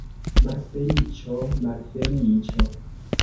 Malfeliĉo, malfeliĉo!